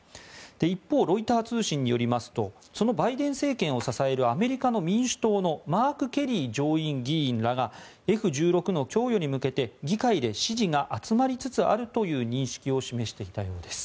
一方、ロイター通信によりますとそのバイデン政権を支えるアメリカの民主党のマーク・ケリー上院議員らがＦ１６の供与に向けて議会で支持が集まりつつあるという認識を示していたようです。